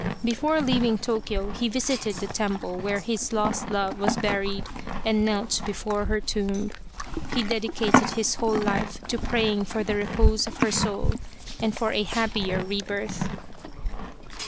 Before leaving Tokyo he visited the temple where his lost love was buried and knelt before her tomb. He dedicated his whole life to praying for the repose of her soul and for a happier rebirth.